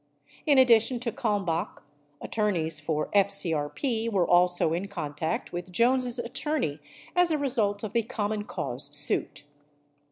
In addition to Kalmbach, attor neys for FCRP were also in contact with Jones' attorney as a result of the Common Cause suit.